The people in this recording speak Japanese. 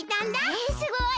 えっすごい！